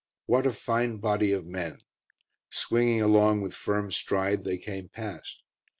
What a fine body of men! Swinging along with firm stride, they came past.